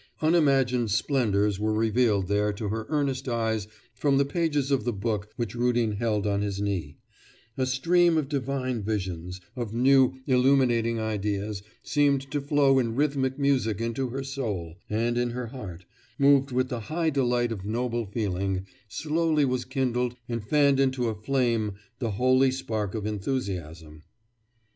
Unimagined splendours were revealed there to her earnest eyes from the pages of the book which Rudin held on his knee; a stream of divine visions, of new, illuminating ideas, seemed to flow in rhythmic music into her soul, and in her heart, moved with the high delight of noble feeling, slowly was kindled and fanned into a flame the holy spark of enthusiasm.